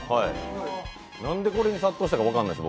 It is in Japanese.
なんでこれに殺到したのか分かんないです。